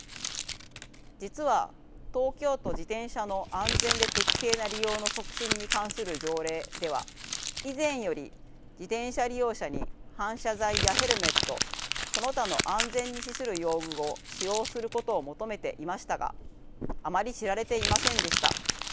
実は「東京都自転車の安全で適正な利用の促進に関する条例」では以前より自転車利用者に反射材やヘルメットその他の安全に資する用具を使用することを求めていましたがあまり知られていませんでした。